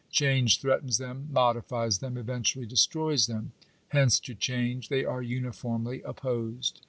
Change threatens them, modifies them, eventually destroys them ; hence to change they are uniformly opposed.